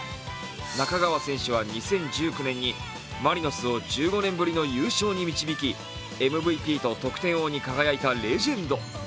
仲川選手は２０１９年にマリノスを１５年ぶりに優勝に導きＭＶＰと得点王に輝いたレジェンド。